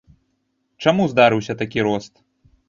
Чаму здарыўся такі рост?